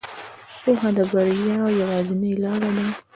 پوهه د بریا یوازینۍ لاره ده.